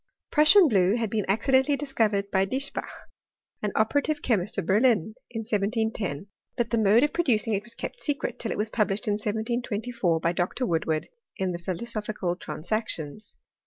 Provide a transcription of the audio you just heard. Prussian blue had been accidentally dii^ covered by Diesbach, an operative chemist of berlin, in 1710, but the mode of producing it was kept secret till it was published in 1724, by Dr. Woodward in. the Philosophical Transactions.